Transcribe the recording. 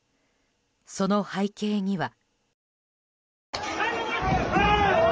その背景には。